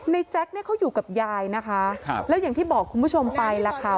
แจ๊คเนี่ยเขาอยู่กับยายนะคะครับแล้วอย่างที่บอกคุณผู้ชมไปล่ะค่ะ